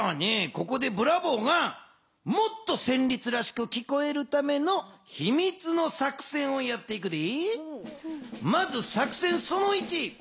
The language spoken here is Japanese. ここでブラボーがもっとせんりつらしくきこえるためのひみつの作戦をやっていくで。